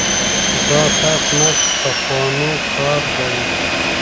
دا کټ مټ پخوانو کار دی.